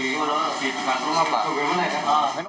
di rumah pak